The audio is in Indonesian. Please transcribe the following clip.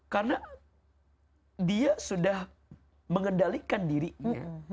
karena dia sudah mengendalikan dirinya